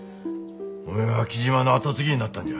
おめえは雉真の後継ぎになったんじゃ。